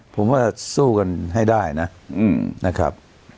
ผมว่าสู้กันให้ได้นะครับ